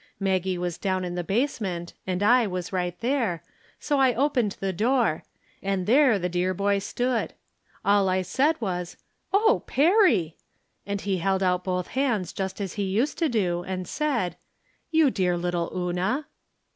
Maggie was down in the basement and I was right there, so I opened the door, and there the dear boy stood. All I said was " Oh Perry !" and he held out both hands just as he used to do, and said :" You dear httle Una."